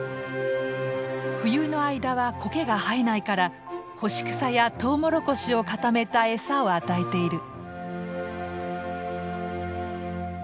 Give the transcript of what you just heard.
冬の間はコケが生えないから干し草やトウモロコシを固めたエサを与えている。